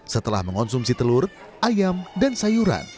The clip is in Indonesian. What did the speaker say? setelah mengonsumsi telur ayam dan sayuran